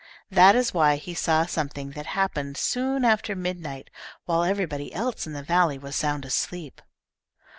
That is why he saw something that happened soon after midnight, while everybody else in the valley was sound asleep.